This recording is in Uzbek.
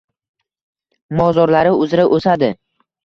Mozorlari uzra oʻsadi.